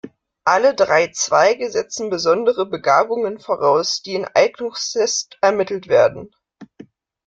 Alle drei Zweige setzen besondere Begabungen voraus, die in Eignungstests ermittelt werden.